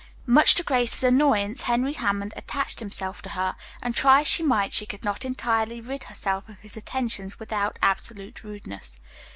Much to Grace's annoyance, Henry Hammond attached himself to her, and try as she might she could not entirely rid herself of his attentions without absolute rudeness.